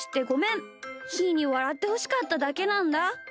ひーにわらってほしかっただけなんだ。